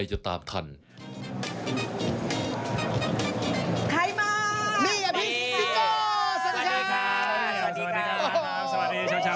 สวัสดีค่ะค่ะครับสวัสดีเช้าค่ะ